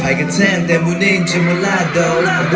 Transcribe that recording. เยี่ยมมาก